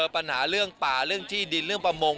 ปัญหาเรื่องป่าเรื่องที่ดินเรื่องประมง